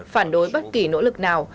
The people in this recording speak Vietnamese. phản đối bất kỳ nỗ lực nào